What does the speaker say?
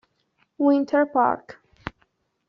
Winter Park